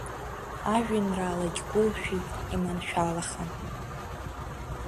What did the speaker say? Ажәеинраалагь гәылшәеит иманшәалахан.